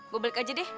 gue balik aja deh